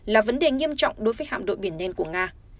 là vấn đề nghiêm trọng đối với hạm đội biển đen của nga